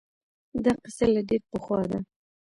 دا قصه له ډېر پخوا ده